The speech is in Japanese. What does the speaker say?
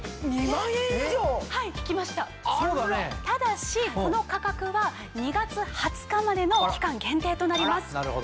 ただしこの価格は２月２０日までの期間限定となります。